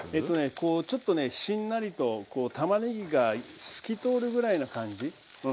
こうちょっとねしんなりとこうたまねぎが透き通るぐらいな感じうん。